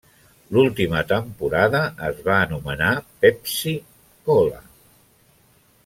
L'última temporada es va anomenar Pepsi-Cola.